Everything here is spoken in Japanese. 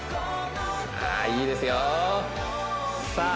さあいいですよさあ